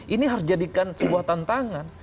ini harus jadikan sebuah tantangan